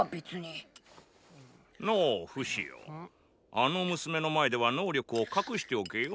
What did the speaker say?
あの娘の前では「能力」を隠しておけよ。